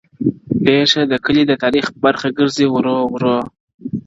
پېښه د کلي د تاريخ برخه ګرځي ورو ورو